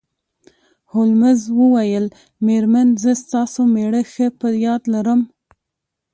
هولمز وویل میرمن زه ستاسو میړه ښه په یاد لرم